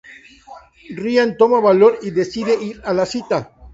Ryan toma valor y decide ir a la cita.